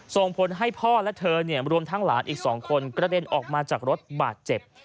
ส่งผลให้พ่อและเธอรวมทั้งหลานอีก๒คนกระเด็นออกมาจากรถบาดเจ็บ